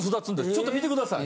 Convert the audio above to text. ちょっと見てください。